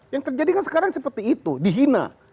yang terjadi kan sekarang seperti itu dihina